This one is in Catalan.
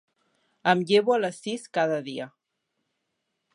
Em llevo a les sis cada dia.